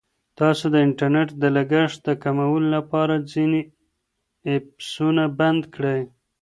تاسو د انټرنیټ د لګښت د کمولو لپاره ځینې ایپسونه بند کړئ.